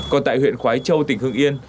còn tại huyện khói châu tỉnh hưng yên